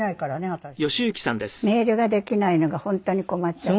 メールができないのが本当に困っちゃって。